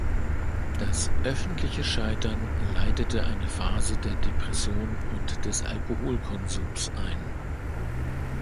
Das öffentliche Scheitern leitete eine Phase der Depression und des Alkoholkonsums ein.